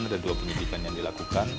ada dua penyidikan yang dilakukan